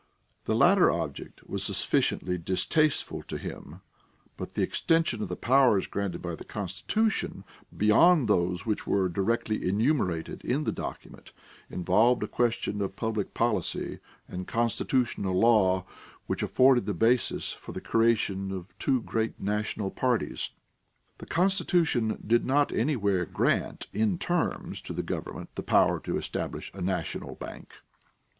The latter object was sufficiently distasteful to him, but the extension of the powers granted by the Constitution beyond those which were directly enumerated in the document involved a question of public policy and constitutional law which afforded the basis for the creation of two great national parties. The Constitution did not anywhere grant in terms to the government the power to establish a national bank.